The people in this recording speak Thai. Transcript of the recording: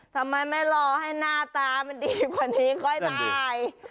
ทำไมไม่รอให้หน้าตามันดีกว่านี้ค่อยตาย